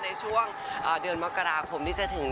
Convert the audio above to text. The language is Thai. ดีใจมากค่ะภูมิใจมากเลยค่ะ